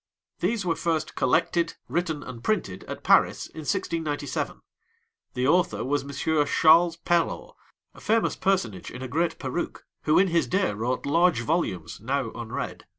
These were first collected, written, and printed at Paris in 1697. The author was Monsieur Charles Perrault, a famous personage in a great perruque, who in his day wrote large volumes now unread.